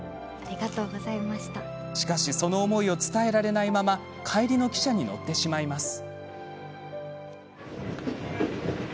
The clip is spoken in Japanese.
しかし、その思いを伝えられないまま帰りの汽車に乗ってしまうんです。